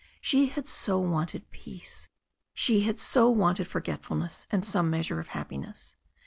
She had so wanted peace. She had so wanted forget fulness and some measure of happiness.